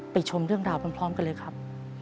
ชมเรื่องราวพร้อมกันเลยครับ